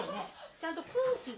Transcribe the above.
ちゃんと空気が。